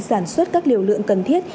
sản xuất các liều lượng cần thiết